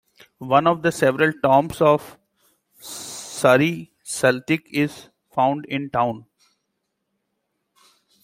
One of the several tombs of Sari Saltik is found in town.